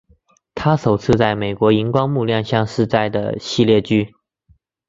她首次在美国萤光幕亮相是在的系列剧。